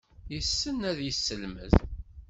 Yessen ad yesselmed.